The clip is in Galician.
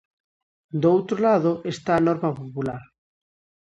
Do outro lado, está a norma popular.